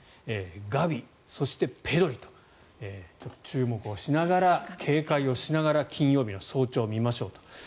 ガビ、そしてペドリと注目しながら警戒をしながら金曜日の早朝、見ましょうと。